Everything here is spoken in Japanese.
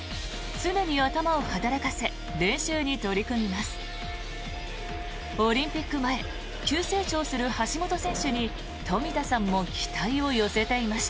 常に頭を働かせ練習に取り組みます。